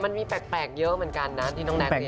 มันมีแปลกเยอะเหมือนกันนะที่น้องแท็ก